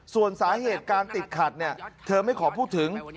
ส่วนสาเหตุการติดขัดเธอไม่ขอพูดถึง